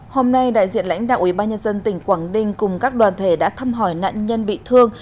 hôm nay đại diện lãnh đạo ubnd tỉnh quảng ninh cùng các đoàn thể đã thăm hỏi nạn nhân bị thương